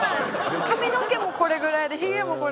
髪の毛もこれぐらいでヒゲもこれぐらいで。